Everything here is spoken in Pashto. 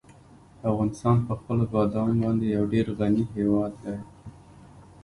افغانستان په خپلو بادامو باندې یو ډېر غني هېواد دی.